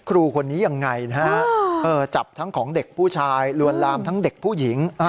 ครูคนนี้ยังไงนะฮะจับทั้งของเด็กผู้ชายลวนลามทั้งเด็กผู้หญิง